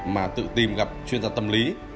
mà tự tìm gặp chuyên gia tâm lý